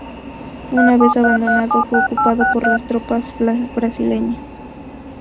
Una vez abandonado, fue ocupado por las tropas brasileñas.